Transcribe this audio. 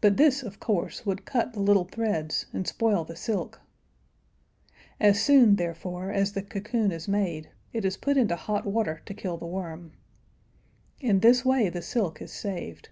But this, of course, would cut the little threads and spoil the silk. As soon, therefore, as the cocoon is made, it is put into hot water to kill the worm. In this way the silk is saved.